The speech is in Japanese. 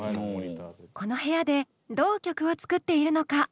この部屋でどう曲を作っているのか？